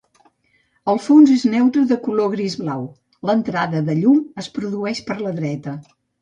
El fons és neutre de color gris-blau, l'entrada de llum es produeix per la dreta.